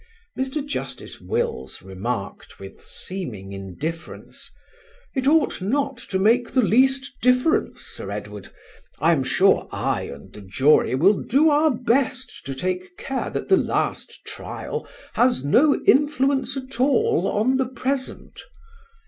Mr. Justice Wills remarked, with seeming indifference, "It ought not to make the least difference, Sir Edward. I am sure I and the jury will do our best to take care that the last trial has no influence at all on the present."